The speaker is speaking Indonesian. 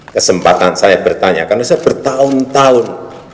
kesempatan saya bertanya karena saya bertahun tahun